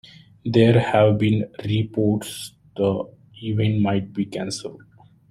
There have been reports the event might be canceled.